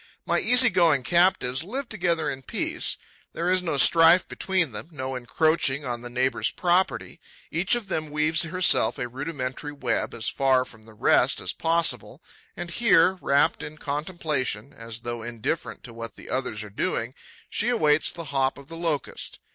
My easy going captives live together in peace. There is no strife between them, no encroaching on the neighbour's property. Each of them weaves herself a rudimentary web, as far from the rest as possible, and here, rapt in contemplation, as though indifferent to what the others are doing, she awaits the hop of the Locust.